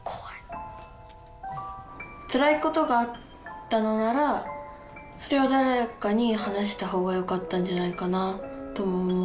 つらいことがあったのならそれを誰かに話した方がよかったんじゃないかなって思います。